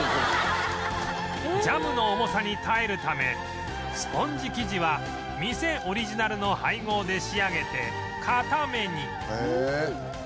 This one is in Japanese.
ジャムの重さに耐えるためスポンジ生地は店オリジナルの配合で仕上げて硬めに